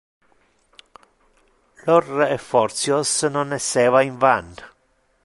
Lor effortios non esseva in van.